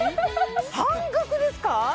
半額ですか！？